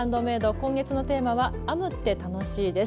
今月のテーマは「編むって楽しい！」です。